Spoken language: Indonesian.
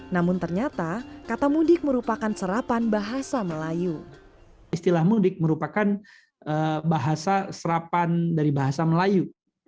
namun ternyata kata mudik merupakan serapan bahasa melayu